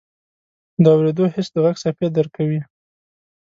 د اورېدو حس د غږ څپې درک کوي.